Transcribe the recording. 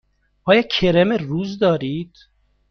آیا کرم روز دارید؟